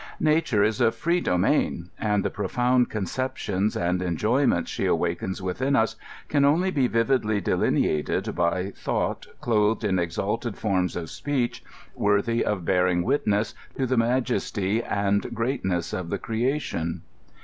Nature is a free domain, and &e profound conceptions and enjo3rments ^e awakens within us can only be vividly deline ated by thought clothed .in exalted forms of speech, worthy of bearing witness to the majesty and greatness of the creation.